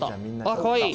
かわいい！